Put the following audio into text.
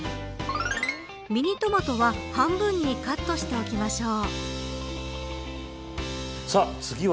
ミニトマトは半分にカットしておきましょう。